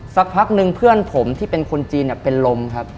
สักพักนึงเพื่อนผมที่เป็นคนจีนเป็นลมครับ